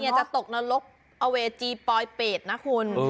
จะตกนรกอเวจีปลอยเปรตนะคุณ